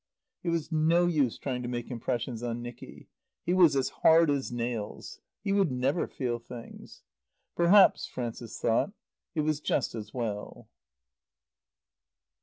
It was no use trying to make impressions on Nicky. He was as hard as nails. He would never feel things. Perhaps, Frances thought, it was just as well.